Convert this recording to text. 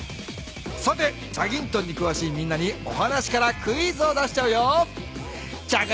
さて『チャギントン』にくわしいみんなにお話からクイズを出しちゃうよ！